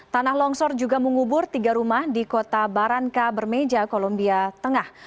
tanah longsor juga mengubur tiga rumah di kota baranka bermeja kolombia tengah